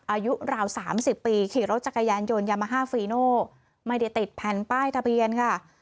อายุราว๓๐ปีขี่รถจักรยานยนต์ยามาฮาฟีโน่ไม่ได้ติดแผ่นป้ายทะเบียนค่ะ